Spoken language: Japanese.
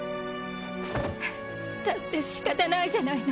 だって仕方ないじゃないの。